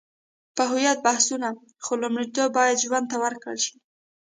په هویت بحثونه، خو لومړیتوب باید ژوند ته ورکړل شي.